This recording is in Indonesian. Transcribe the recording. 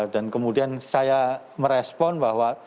dan kemudian saya merespon bahwa